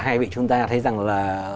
hai vị chúng ta thấy rằng là